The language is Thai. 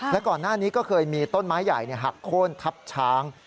และก่อนหน้านี้ก็เคยมีต้นไม้ใหญ่หักโค้นทับช้าง